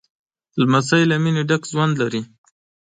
لمسی له مینې ډک ژوند لري.